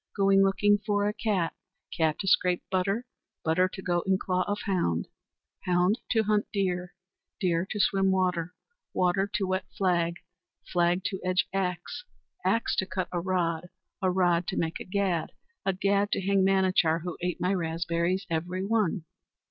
Going looking for a cat, cat to scrape butter, butter to go in claw of hound, hound to hunt deer, deer to swim water, water to wet flag, flag to edge axe, axe to cut a rod, a rod to make a gad, a gad to hang Manachar, who ate my raspberries every one."